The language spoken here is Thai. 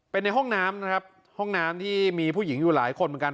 เป็นในห้องน้ำนะครับห้องน้ำที่มีผู้หญิงอยู่หลายคนเหมือนกัน